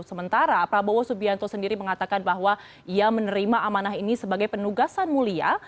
sementara prabowo subianto sendiri mengatakan bahwa ia menerima amanah ini sebagai penugasan mulia